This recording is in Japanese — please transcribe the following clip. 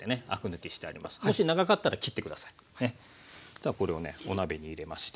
さあこれをねお鍋に入れまして。